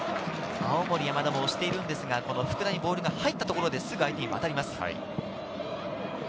青森山田が押していますが、福田にボールが入ったところで、すぐ相手に渡ります。